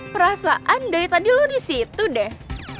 perasaan dari tadi lo disitu deh